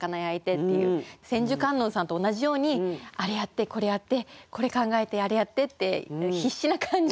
千手観音さんと同じようにあれやってこれやってこれ考えてあれやってって必死な感じ。